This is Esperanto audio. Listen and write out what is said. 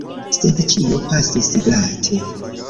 Sed ĉio pasis glate.